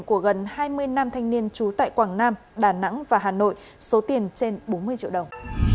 của gần hai mươi nam thanh niên trú tại quảng nam đà nẵng và hà nội số tiền trên bốn mươi triệu đồng